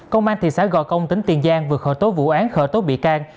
công an thị xã gò công tỉnh tiền giang vừa khởi tố vụ án khởi tố bị can